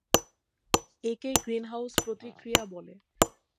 একে গ্রিনহাউস প্রতিক্রিয়া বলে।